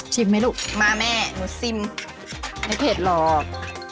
ไหมลูกมาแม่หนูซิมไม่เผ็ดหรอก